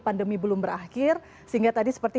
pandemi belum berakhir sehingga tadi seperti